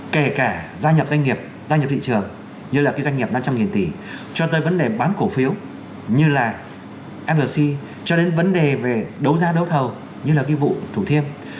kể cả gia nhập doanh nghiệp gia nhập thị trường như là cái doanh nghiệp năm trăm linh tỷ cho tới vấn đề bán cổ phiếu như là nrc cho đến vấn đề về đấu giá đấu thầu như là cái vụ thủ thiêm